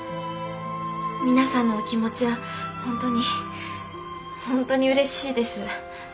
皆さんのお気持ちは本当に本当にうれしいです。